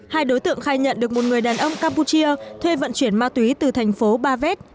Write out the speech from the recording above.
hai đối tượng khai nhận được một người đàn ông campuchia thuê vận chuyển ma túy từ thành phố ba vét